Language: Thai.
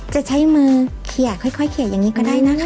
จะใช้มือเขียค่อยเขียอย่างนี้ก็ได้นะคะ